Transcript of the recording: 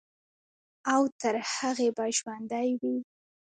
او تر هغې به ژوندے وي،